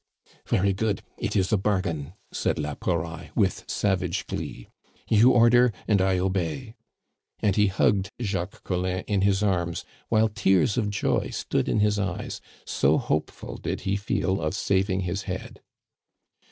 "Very good, it is a bargain," said la Pouraille with savage glee. "You order, and I obey." And he hugged Jacques Collin in his arms, while tears of joy stood in his eyes, so hopeful did he feel of saving his head.